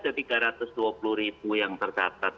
ada tiga ratus dua puluh ribu yang tercatat